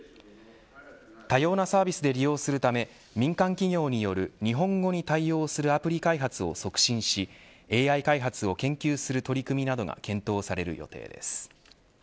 多様なサービスで利用するため民間企業による日本語に対応するアプリ開発を促進しＡＩ開発を研究する取り組みなどが検討される予定です。